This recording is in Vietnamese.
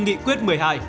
nghị quyết một mươi hai